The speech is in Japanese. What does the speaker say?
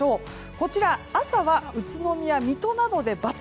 こちら朝は宇都宮、水戸などでバツ。